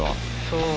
そう。